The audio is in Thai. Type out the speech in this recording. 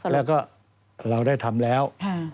แล้วก็เราได้ทำแล้ว